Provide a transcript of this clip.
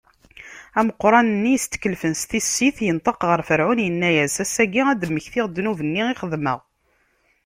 Ameqran-nni yestkellfen s tissit inṭeq ɣer Ferɛun, inna-as: Ass-agi, ad d-mmektiɣ ddnub-nni i xedmeɣ.